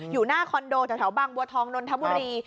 อยู่หน้าคอนโดแถวบางบัวทองนนทบุรี